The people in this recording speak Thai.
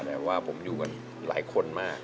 แต่ว่าผมอยู่กันหลายคนมาก